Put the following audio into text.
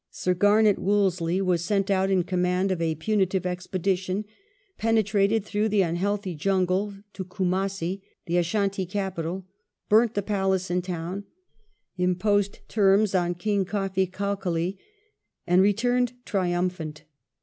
Sir Garnet Wolseley was sent out in command of a punitive expedition, penetrated through the unhealthy jungle to Coomassie, the Ashantee capital, burnt the palace and town, imposed terms on King KofFee Kalkalee, and returned triumphant.